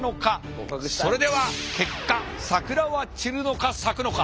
それでは結果桜は散るのか咲くのか。